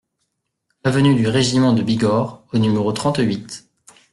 Avenue du Régiment de Bigorre au numéro trente-huit